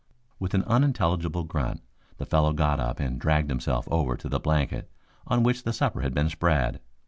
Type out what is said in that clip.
With an unintelligible grunt the fellow got up and dragged himself over to the blanket on which the supper had been spread.